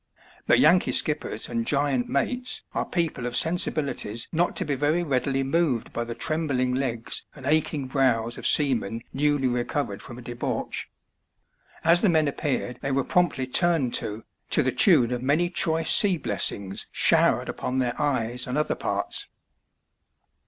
But Yankee skippers and giant mates are people' of sensibilities not to be very readily moved by the trembling legs and aching brows of seamen newly recovered from a debauch. As the men appeared they were promptly turned to " to the tune of many choice sea blessings showered upon their eyes and other parts.